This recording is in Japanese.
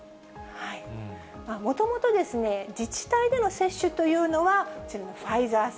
もともと、自治体での接種というのは、こちらのファイザー製。